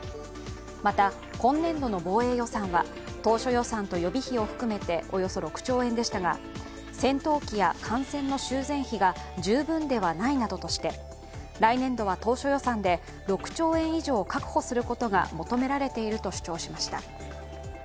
また今年度の防衛予算は当初予算と予備費を含めておよそ６兆円でしたが、戦闘機や艦船の修繕費が十分ではないなどととして来年度は当初予算で６兆円以上を確保することが求められていると主張しました。